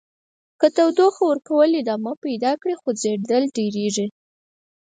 که تودوخې ورکول ادامه پیدا کړي خوځیدل ډیریږي.